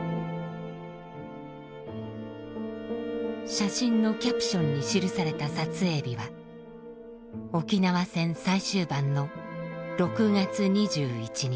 写真のキャプションに記された撮影日は沖縄戦最終盤の６月２１日。